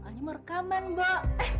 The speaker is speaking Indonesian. soalnya mau rekaman mbok